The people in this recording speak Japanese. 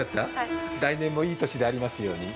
来年もいい年でありますように。